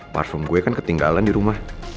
parfum gue kan ketinggalan di rumah